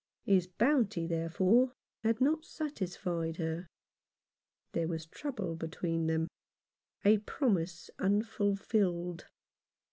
His bounty, therefore, had not satisfied her. There was trouble between them — a promise unfulfilled.